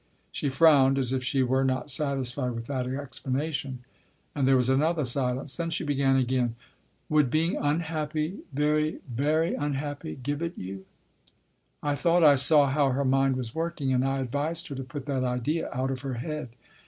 She frowned, as if she were not satisfied with that explanation. And there was another silence. Then she began again :" Would being unhappy very, very unhappy give it you ?" I thought I saw how her mind was working and I ad vised her to put that idea out of her head.